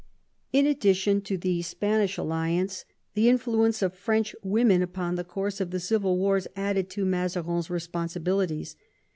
In addition to the Spanish alliance, the influence of French women upon the course of the civil wars added to Mazarin's responsibilities.